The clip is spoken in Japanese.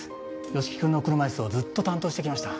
吉木君の車いすをずっと担当してきました